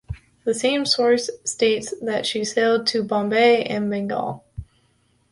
The same source states that she sailed to Bombay and Bengal.